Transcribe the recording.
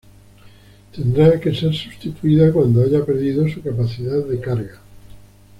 Tendrá que ser sustituida cuando haya perdido su capacidad de carga.